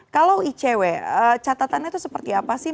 kalau icw catatannya itu seperti apa sih